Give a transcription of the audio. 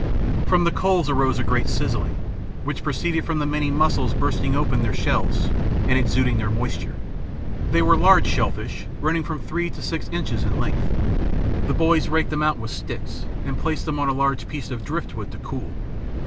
From the coals arose a great sizzling, which proceeded from the many mussels bursting open their shells and exuding their moisture. They were large shellfish, running from three to six inches in length. The boys raked them out with sticks and placed them on a large piece of driftwood to cool.